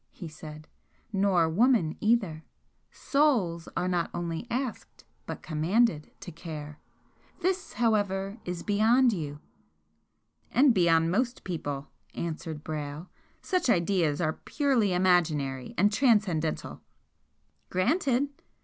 he said "Nor woman either. SOULS are not only asked, but COMMANDED, to care! This, however, is beyond you!" "And beyond most people," answered Brayle "Such ideas are purely imaginary and transcendental." "Granted!"